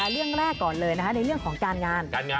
เรื่องแรกก่อนเลยในเรื่องของการงาน